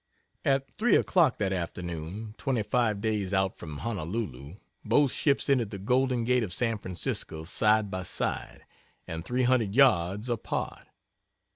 At three o'clock that afternoon, 25 days out from Honolulu, both ships entered the Golden Gate of San Francisco side by side, and 300 yards apart.